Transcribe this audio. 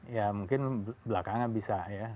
ya mungkin belakangan bisa ya